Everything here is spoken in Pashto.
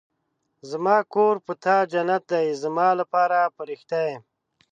زما کور په تا جنت دی ، زما لپاره فرښته ېې